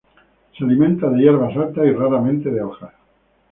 Se alimentan de hierbas altas y raramente de hojas.